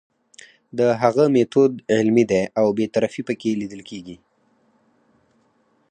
د هغه میتود علمي دی او بې طرفي پکې لیدل کیږي.